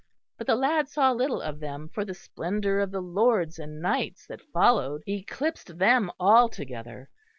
But the lad saw little of them, for the splendour of the lords and knights that followed eclipsed them altogether.